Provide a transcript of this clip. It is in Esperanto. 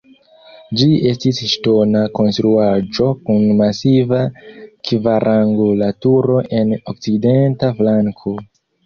Ĝi estis ŝtona konstruaĵo kun masiva kvarangula turo en okcidenta flanko.